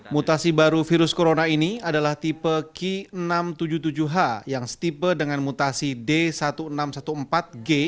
mutasi baru virus corona ini adalah tipe ki enam ratus tujuh puluh tujuh h yang setipe dengan mutasi d seribu enam ratus empat belas g